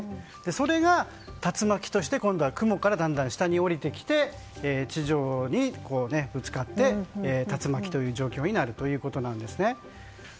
それが竜巻として今度は雲からだんだん下に下りてきて地上にぶつかって竜巻という状況になるということです。